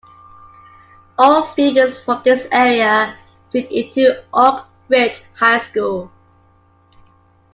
All students from this area feed into Oak Ridge High School.